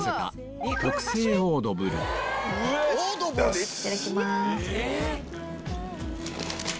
いただきます。